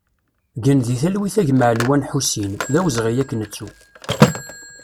Gen di talwit a gma Alwan Ḥusin, d awezɣi ad k-nettu!